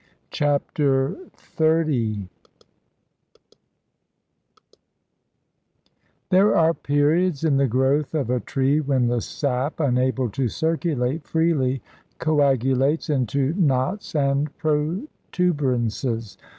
CHAPTER XXX There are periods in the growth of a tree when the sap, unable to circulate freely, coagulates into knots and protuberances.